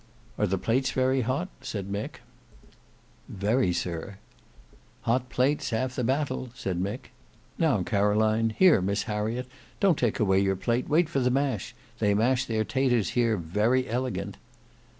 "Are the plates very hot?" said Mick; "Very sir." "Hot plates half the battle," said Mick. "Now, Caroline; here, Miss Harriet; don't take away your plate, wait for the mash; they mash their taters here very elegant."